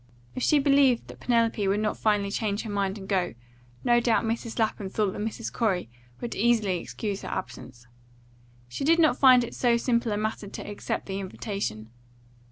If she believed that Penelope would not finally change her mind and go, no doubt Mrs. Lapham thought that Mrs. Corey would easily excuse her absence. She did not find it so simple a matter to accept the invitation.